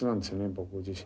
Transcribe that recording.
僕自身。